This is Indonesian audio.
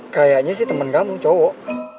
kayaknya sih teman kamu cowok